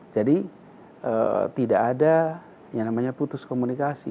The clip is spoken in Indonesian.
jadi tidak ada yang namanya putus komunikasi